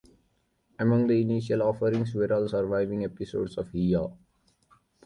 Among the initial offerings were all surviving episodes of "Hee Haw".